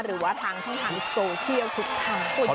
หรือว่าทางช่องทางโซเชียลทุกทาง